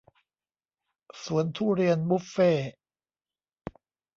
สวนทุเรียนบุฟเฟ่ต์